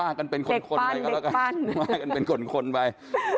ว่ากันเป็นคนคนไป